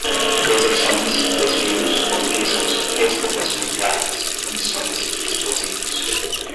Deserções, Desvios, Confiscos, Expropriações de Armas, Munições e Explosivos